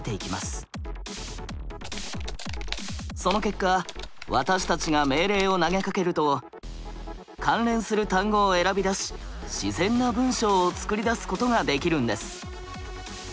その結果私たちが命令を投げかけると関連する単語を選び出し自然な文章を作り出すことができるんです。